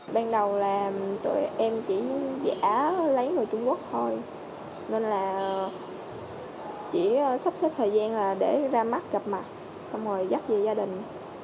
ban đầu là tụi em chỉ giả lấy người trung quốc thôi nên là chỉ sắp xếp thời gian là để ra mắt gặp mặt xong rồi dắt về gia đình